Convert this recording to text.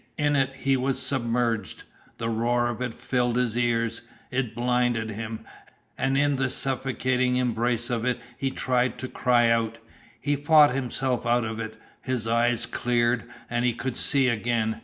In it he was submerged; the roar of it filled his ears; it blinded him; and in the suffocating embrace of it he tried to cry out. He fought himself out of it, his eyes cleared, and he could see again.